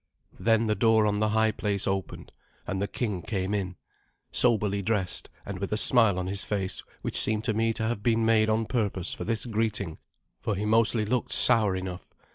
Then the door on the high place opened, and the king came in, soberly dressed, and with a smile on his face which seemed to me to have been made on purpose for this greeting, for he mostly looked sour enough.